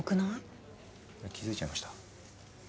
気付いちゃいました？